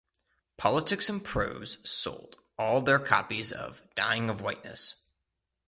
Politics and Prose sold all their copies of "Dying of Whiteness".